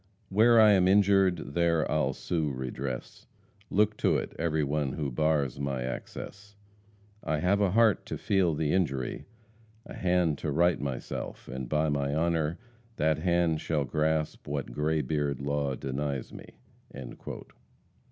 "Where I am injured, there I'll sue redress, Look to it, every one who bars my access; I have a heart to feel the injury, A hand to right myself, and by my honor, That hand shall grasp what gray beard Law denies me."